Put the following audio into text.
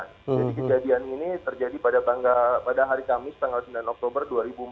jadi kejadian ini terjadi pada tanggal pada hari kamis tanggal sembilan oktober dua ribu empat belas